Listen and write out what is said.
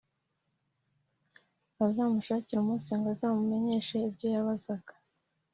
Azamushakire umunsi ngo azamumenyeshe ibyo yabazaga